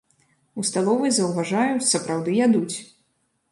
У сталовай заўважаю, сапраўды ядуць.